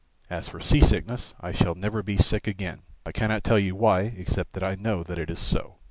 As for sea sickness I shall never be sick again, I cannot tell you why except that I know that it is so.